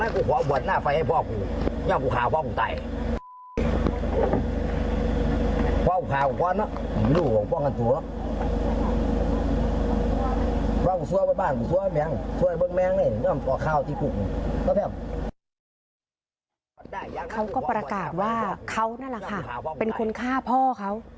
เขาก็ประกาศว่าเขานั่นแหละค่ะเป็นคนฆ่าพ่อเขา